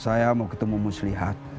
saya mau ketemu muslihat